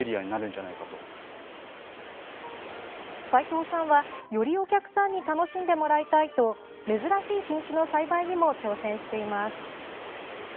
齊藤さんはよりお客さんに楽しんでもらいたいと珍しい品種の栽培にも挑戦しています。